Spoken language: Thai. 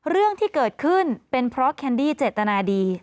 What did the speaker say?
เรื่องที่เกิดขึ้นเป็นเพราะแคนดี้เจตนาดี